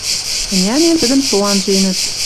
Ӹнянен, тӹдӹм со анженӹт.